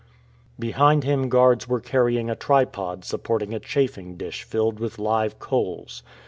Behind him guards were carrying a tripod supporting a chafing dish filled with live coals.